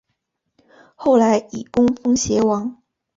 后来以功封偕王。